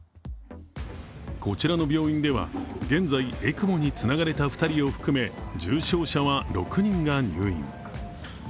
こちらの病院では現在、ＥＣＭＯにつながれた２人を含め重症者は６人が入院。